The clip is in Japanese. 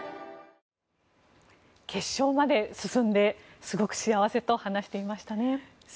決勝まで進んですごく幸せと話していましたね。